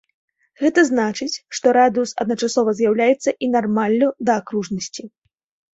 Гэта значыць, што радыус адначасова з'яўляецца і нармаллю да акружнасці.